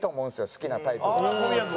好きなタイプが。